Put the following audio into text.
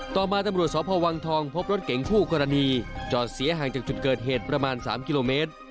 ต่อมาตำรวจสพวังทองพบรถเก๋งคู่กรณีจอดเสียห่างจากจุดเกิดเหตุประมาณ๓กิโลเมตร